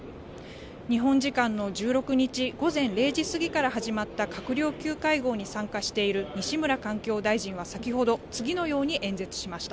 日本時間の１６日午前０時過ぎから始まった閣僚級会合に参加している西村環境大臣は先ほど、次のように演説しました。